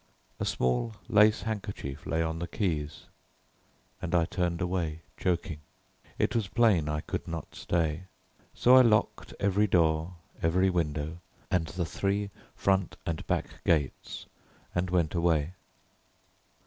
A small lace handkerchief lay on the keys, and I turned away, choking. It was plain I could not stay, so I locked every door, every window, and the three front and back gates, and went away.